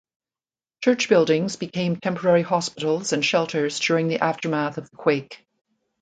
Church buildings became temporary hospitals and shelters during the aftermath of the quake.